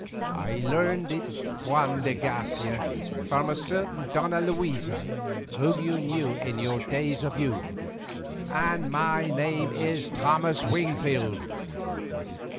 "I learned it, Juan de Garcia, from a certain Donna Luisa, whom you knew in your days of youth. And my name is Thomas Wingfield."